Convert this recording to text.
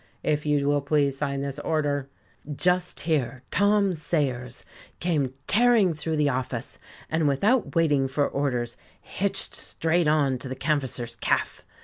If you will please sign this order " Just here Tom Sayers came tearing through the office, and without waiting for orders hitched straight on to the canvasser's calf.